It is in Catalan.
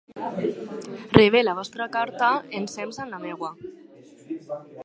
Rebé la vostra carta ensems amb la meva.